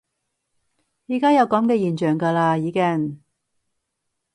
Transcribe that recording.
而家有噉嘅現象㗎啦已經